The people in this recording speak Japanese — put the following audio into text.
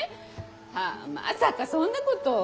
はぁまさかそんなこと。